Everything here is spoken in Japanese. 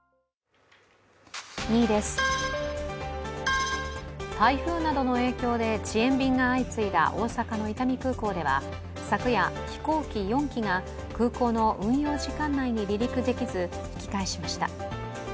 ２位です、台風などの影響で遅延便が相次いだ大阪の伊丹空港では昨夜、飛行機４機が空港の運用時間内に離陸できず、引き返しました。